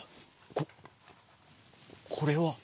ここれは？